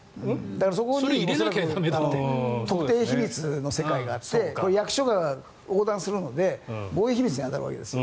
そこは特定秘密の世界があって役所を横断するので防衛秘密に当たるわけです。